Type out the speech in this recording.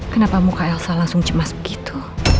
kenapa muka elsa langsung cemas begitu